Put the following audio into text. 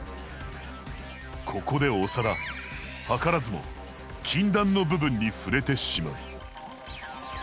ここで長田図らずも禁断の部分に触れてしまう。